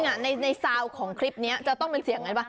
จริงในเสียงของคลิปนี้จะต้องมีเสียงไงป่ะ